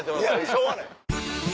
しょうがない。